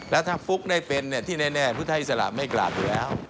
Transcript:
แล้วถ้าฟุ๊กได้เป็นที่แน่พุทธอิสระไม่กราบอยู่แล้ว